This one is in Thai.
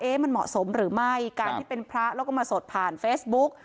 มันเหมาะสมหรือไม่การที่เป็นพระแล้วก็มาสดผ่านเฟซบุ๊ก